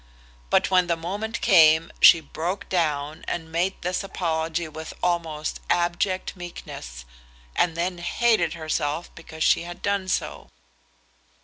But when the moment came, she broke down, and made this apology with almost abject meekness, and then hated herself because she had done so.